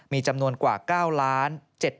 มีจำนวนกว่า๙๗๐๐๐๐๐คน